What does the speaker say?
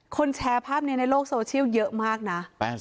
แชร์ภาพนี้ในโลกโซเชียลเยอะมากนะ